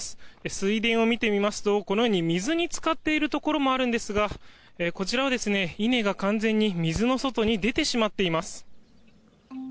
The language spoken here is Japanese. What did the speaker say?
水田を見ると水に浸かっているところもあるんですがこちらは、稲が完全に水の外に出てしまっています。